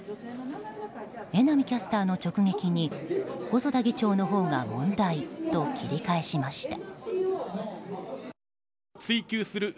榎並キャスターの直撃に細田議長のほうが問題と切り返しました。